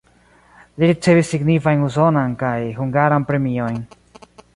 Li ricevis signifajn usonan kaj hungaran premiojn.